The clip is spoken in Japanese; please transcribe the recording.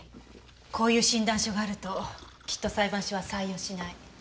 こういう診断書があるときっと裁判所は採用しない。